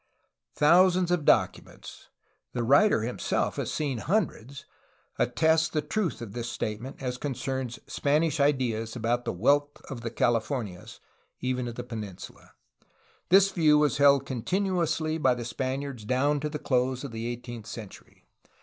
'' Thousands of documents — the writer himself has seen hundreds — attest the truth of this statement as concerns Spanish ideas about the wealth of the Californias, even of the peninsula; this view was held continuously by the Spaniards down to the close of the eighteenth century.